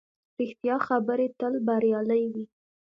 ریښتیا خبرې تل بریالۍ وي